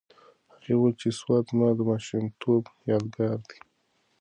هغې وویل چې سوات زما د ماشومتوب یادګار دی.